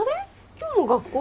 今日も学校？